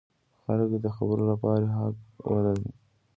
خلک دې د خبرو لپاره حق ولري.